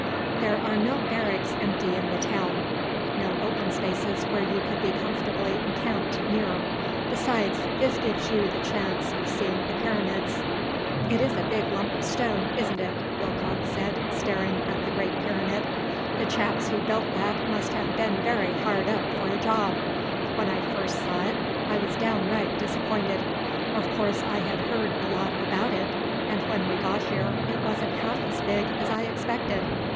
"There are no barracks empty in the town, no open spaces where you could be comfortably encamped nearer. Besides, this gives you the chance of seeing the Pyramids." "It is a big lump of stone, isn't it?" Willcox said, staring at the Great Pyramid. "The chaps who built that must have been very hard up for a job. When I first saw it I was downright disappointed. Of course I had heard a lot about it, and when we got here it wasn't half as big as I expected.